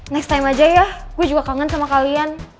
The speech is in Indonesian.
next time aja ya gue juga kangen sama kalian